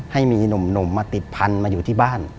ให้มีหนุ่มมาติดพันธุ์มาอยู่ที่บ้าน